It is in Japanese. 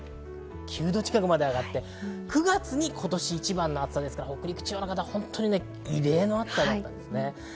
３９度近くまで上がって９月に今年一番の暑さですから、北陸地方は異例の暑さだったんですね。